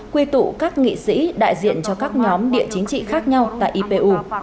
quy tụ các nghị sĩ đại diện cho các nhóm địa chính trị khác nhau tại ipu